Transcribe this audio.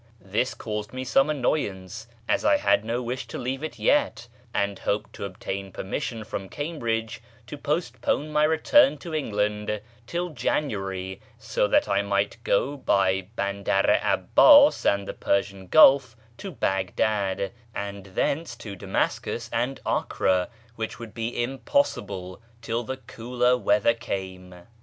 This caused me some annoyance, as I had no wish to leave it yet, and hoped to obtain permission from Cambridge to postpone my return to England till Janu ary, so that I might go by Bandar i ' Abbas and the Persian Gulf to Baghdad, and thence to Damascus and Acre, which would be impossible till the cooler weather came.